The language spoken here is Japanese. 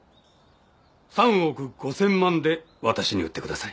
３億５，０００万で私に売ってください。